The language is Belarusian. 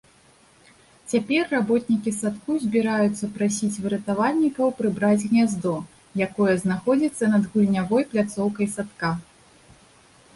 Цяпер работнікі садку збіраюцца прасіць выратавальнікаў прыбраць гняздо, якое знаходзіцца над гульнявой пляцоўкай садка.